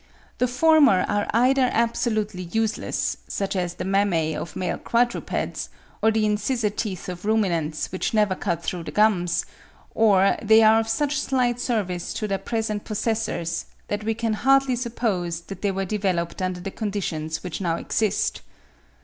The former are either absolutely useless, such as the mammae of male quadrupeds, or the incisor teeth of ruminants which never cut through the gums; or they are of such slight service to their present possessors, that we can hardly suppose that they were developed under the conditions which now exist.